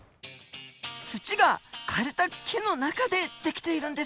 土が枯れた木の中で出来ているんですか。